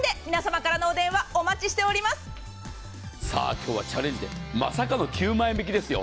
今日はチャレンジデー、まさかの９万円引きですよ。